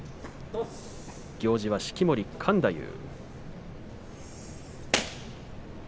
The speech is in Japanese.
行司は式守勘太夫。